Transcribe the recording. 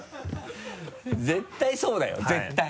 絶対そうだよ絶対。